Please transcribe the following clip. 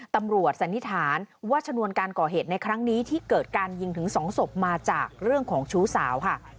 สันนิษฐานว่าชนวนการก่อเหตุในครั้งนี้ที่เกิดการยิงถึง๒ศพมาจากเรื่องของชู้สาวค่ะ